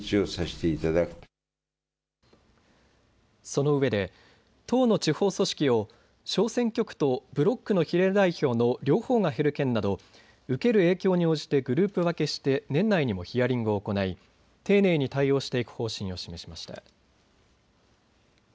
そのうえで党の地方組織を小選挙区とブロックの比例代表の両方が減る県など受ける影響に応じてグループ分けして年内にもヒアリングを行い丁寧に対応していく方針を示しました。